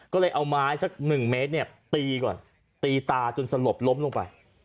ก็เลยเอาไม้สักหนึ่งเมตรเนี่ยตีก่อนตีตาจนสลบล้มลงไป